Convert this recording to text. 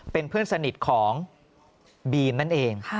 เป็นเพื่อนสนิทของบีมนั่นเอง